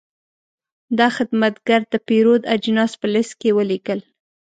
دا خدمتګر د پیرود اجناس په لېست کې ولیکل.